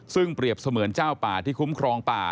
ซึ่งเปรียบเสมือนเจ้าป่าที่คุ้มครองป่า